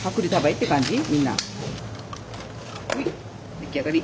出来上がり。